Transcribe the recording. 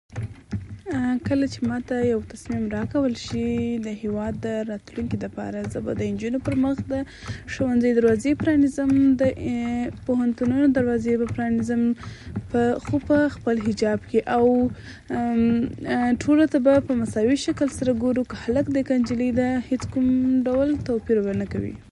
کله چې ماته یو تصمیم راکول شي د هېواد د راتلونکي لپاره زه به د نجونو پر مخ د ښوونځیو دروازې پرانیزم، د پوهنتونونو دروازې به پرانیزم خو پخپل حجاب کې او ټولو ته به په مساوي شکل سره ګورو که هلک دی که نجلۍ ده هیڅ کوم ډول توپیر به نه کوي